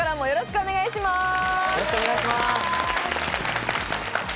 よろしくお願いします。